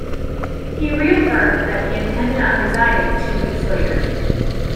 He reaffirmed that he intended on resigning two weeks later.